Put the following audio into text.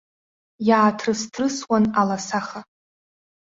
Иааҭрысҭрысуан аласаха.